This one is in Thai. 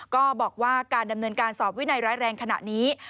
ก็บอกว่าการดำเนินการสอบวินัยร้ายแรงขณะนี้